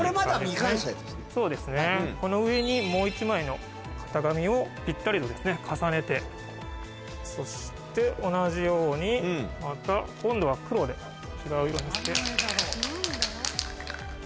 そうですねこの上にもう１枚の型紙をぴったりと重ねてそして同じようにまた今度は黒で違う色ですね。